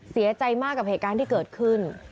เสียใจมากกับเหตุการณ์ที่เกิดขึ้น